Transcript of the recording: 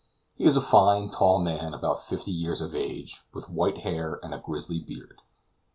He is a fine tall man, about fifty years of age, with white hair and a grizzly beard.